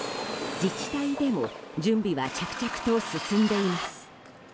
自治体でも準備は着々と進んでいます。